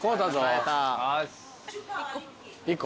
１個。